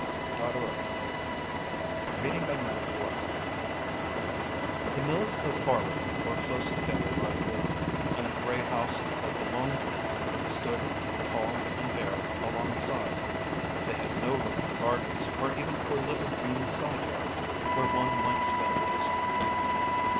The Gray Mills of Farley The mills of Farley were close together by the river, and the gray houses that belonged to them stood, tall and bare, alongside. They had no room for gardens or even for little green side yards where one might spend a summer evening.